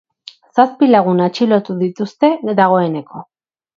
Zazpi lagun atxilotu dituzte dagoeneko.